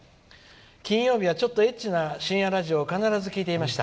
金曜日はちょっとエッチな深夜ラジオを聴いていました。